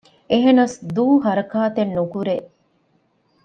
އެހެނަސް ދޫ ހަރަކާތެއްނުކުރޭ